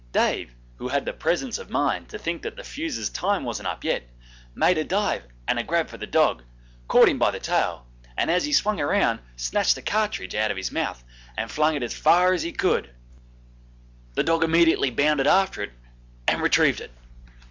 Dave, who had the presence of mind to think that the fuse's time wasn't up yet, made a dive and a grab for the dog, caught him by the tail, and as he swung round snatched the cartridge out of his mouth and flung it as far as he could: the dog immediately bounded after it and retrieved it.